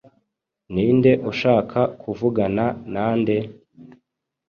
Ninde ushaka kuvugana nande?